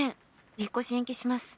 引っ越し延期します」